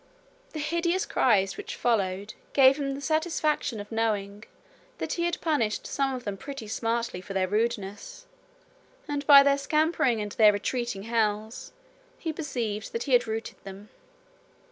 The hideous cries which followed gave him the satisfaction of knowing that he had punished some of them pretty smartly for their rudeness, and by their scampering and their retreating howls, he perceived that he had routed them.